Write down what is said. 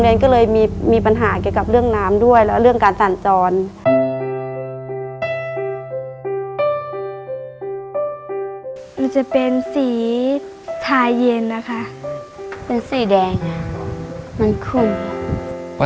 ในแคมเปญพิเศษเกมต่อชีวิตโรงเรียนของหนู